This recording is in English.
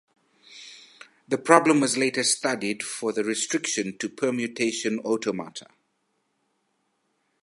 The problem was later studied for the restriction to permutation automata.